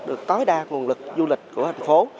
được tối đa nguồn lực du lịch của thành phố